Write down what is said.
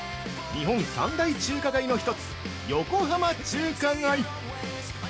日本３大中華街の一つ「横浜中華街」！